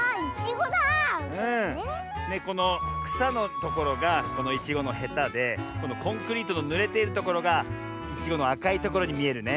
このくさのところがいちごのへたでこのコンクリートのぬれているところがいちごのあかいところにみえるね。